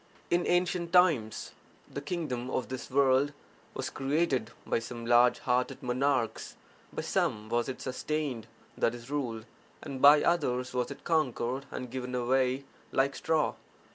In ancient times (the kingdom of) this world was created by some large hearted monarchs; by some was it sustained (i.e., ruled) and by others was it conquered and given away like straw.